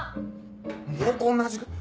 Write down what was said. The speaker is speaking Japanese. もうこんな時間。